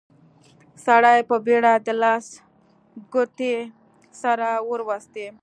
سړي په بيړه د لاس ګوتې سره وروستې.